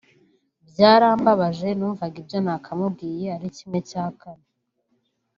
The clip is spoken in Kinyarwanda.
Byarambabaje numvaga ibyo nakamubwiye ari kimwe cya kane